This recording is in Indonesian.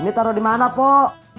ini taruh dimana pok